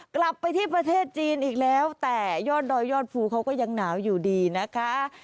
กลับไปที่ประเทศจีนอีกแล้วแต่ยอดดอยยอดภูเขาก็ยังหนาวอยู่ดีนะคะ